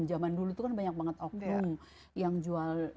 jaman dulu tuh kan banyak banget oknum yang jual darah